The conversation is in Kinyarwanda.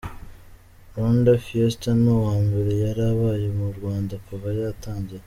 Rwanda Fiesta ni ubwa mbere yari ibaye mu Rwanda kuva yatangira.